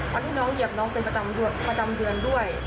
วันที่น้องเหยียบน้องเป็นประจำเดือนด้วย